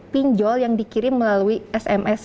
pinjol yang dikirim melalui sms